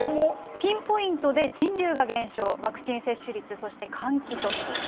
ピンポイントで人流が減少、ワクチン接種率、そして換気と。